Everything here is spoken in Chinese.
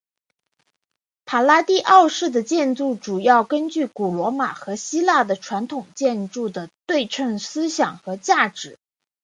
帕拉第奥式的建筑主要根据古罗马和希腊的传统建筑的对称思想和价值。